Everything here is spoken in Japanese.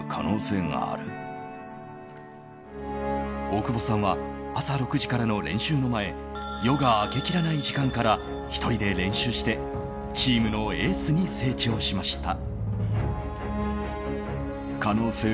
大久保さんは朝６時からの練習の前夜が明けきらない時間から１人で練習してチームのエースに成長しました。